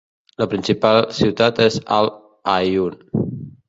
La principal ciutat és Al-Aaiun.